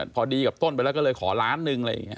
พอดีกับต้นไปแล้วก็เลยขอล้านหนึ่งอะไรอย่างนี้